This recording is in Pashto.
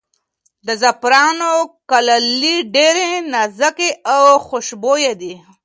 د زعفرانو کلالې ډېرې نازکې او خوشبویه دي.